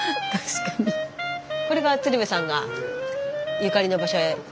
これが鶴瓶さんがゆかりの場所へいらした時。